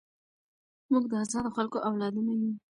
موږ د ازادو خلکو اولادونه یو.